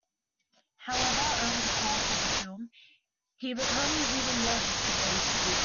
However, over the course of the film he becomes even more addicted than she.